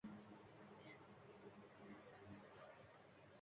ulardan hikoya qahramoni yoki biror ashyoni qidirib o‘yin ham o‘ynash mumkin.